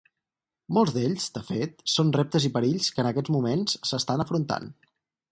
Molts d'ells, de fet, són reptes i perills que en aquests moments s'estan afrontant.